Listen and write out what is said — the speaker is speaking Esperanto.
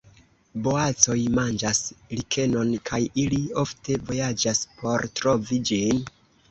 Boacoj manĝas likenon kaj ili ofte vojaĝas por trovi ĝin.